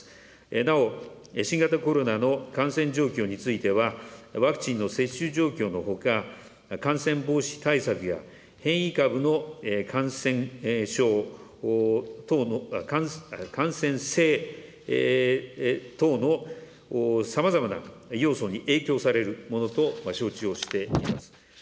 なお新型コロナの感染状況については、ワクチンの接種状況のほか、感染防止対策や変異株の感染性等のさまざまな要素に影響されるものと承知をしています。